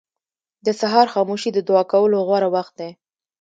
• د سهار خاموشي د دعا کولو غوره وخت دی.